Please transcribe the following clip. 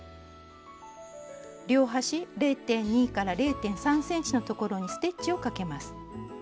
両端０．２０．３ｃｍのところにステッチをかけます。